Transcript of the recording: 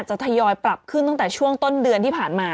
ทยอยปรับขึ้นตั้งแต่ช่วงต้นเดือนที่ผ่านมา